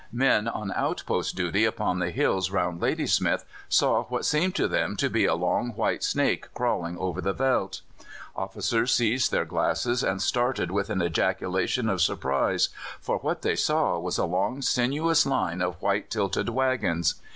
Men on outpost duty upon the hills round Ladysmith saw what seemed to them to be a long white snake crawling over the veldt. Officers seized their glasses, and started with an ejaculation of surprise, for what they saw was a long sinuous line of white tilted waggons.